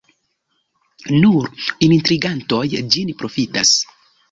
Nur intrigantoj ĝin profitas.